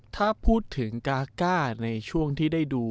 ถ้าพูดถึงกาก้าในช่วงที่ได้ดู